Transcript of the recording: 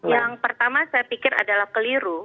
yang pertama saya pikir adalah keliru